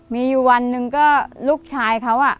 มีอยู่วันหนึ่งก็ลูกชายเขา